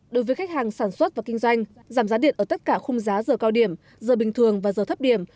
đối với khách hàng sản xuất và kinh doanh giảm giá điện ở tất cả khung giá giờ cao điểm giờ bình thường và giờ thấp điểm